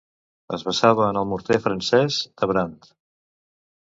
Es basava en el morter francès de Brandt.